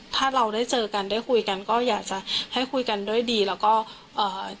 ถ้าเราได้เจอกันได้คุยกันก็อยากจะให้คุยกันด้วยดีแล้วก็เอ่อ